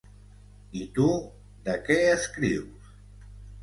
I tu, ¿de què escrius?